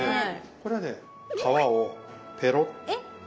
これはね皮をペロッ。